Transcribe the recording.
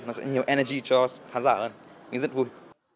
nó sẽ nhiều energy cho khán giả hơn vinh rất vui